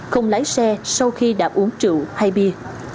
không lái xe sau khi đã uống rượu hay bia